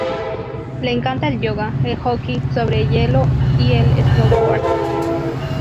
Le encanta el yoga, el hockey sobre hielo y el snowboard.